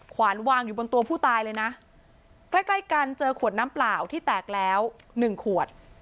ขวานวางอยู่บนตัวผู้ตายเลยนะใกล้ใกล้กันเจอขวดน้ำเปล่าที่แตกแล้วหนึ่งขวด